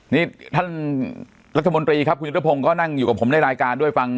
นี่ท่านรัฐมนตรีครับคุณยุทธพงศ์ก็นั่งอยู่กับผมในรายการด้วยฟัง